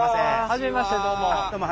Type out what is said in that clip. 初めましてどうも。